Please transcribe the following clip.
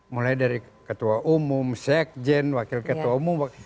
mulai dari ketua umum sekjen wakil ketua umum